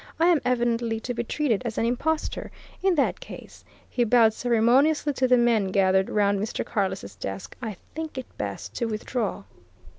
"I am evidently to be treated as an impostor. In that case," he bowed ceremoniously to the men gathered around Mr. Carless' desk "I think it best to withdraw."